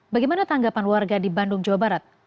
bagaimana tanggapan warga di bandung jawa barat